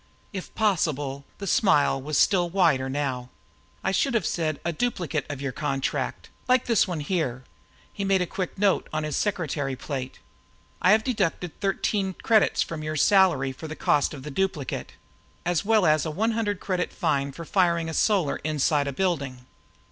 If possible, the smile was still wider now. "I should have said a duplicate of your contract like this one here." He made a quick note on his secretary plate. "I have deducted 13 credits from your salary for the cost of the duplicate as well as a 100 credit fine for firing a Solar inside a building."